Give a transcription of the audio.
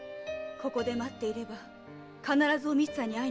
ここで待っていれば必ずお光さんに会いに来る。